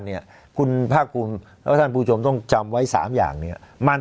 เนี่ยคุณพระคุณแล้วท่านผู้จมต้องจำไว้สามอย่างเนี่ยมัน